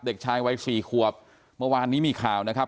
เด็กชายวัยสี่ขวบเมื่อวานนี้มีข่าวนะครับ